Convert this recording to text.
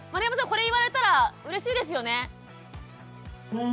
これ言われたらうれしいですよね？